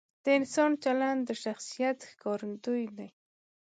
د انسان چلند د شخصیت ښکارندوی دی.